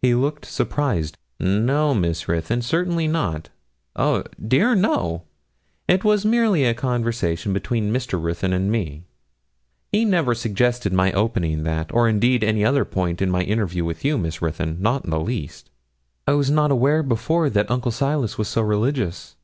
He looked surprised. 'No, Miss Ruthyn, certainly not. Oh dear, no. It was merely a conversation between Mr. Ruthyn and me. He never suggested my opening that, or indeed any other point in my interview with you, Miss Ruthyn not the least.' 'I was not aware before that Uncle Silas was so religious.'